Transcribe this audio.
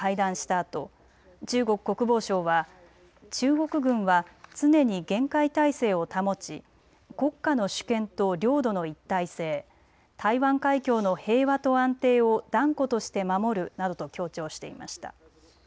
あと中国国防省は中国軍は常に厳戒態勢を保ち国家の主権と領土の一体性、台湾海峡の平和と安定を断固として守るなどと強調していました。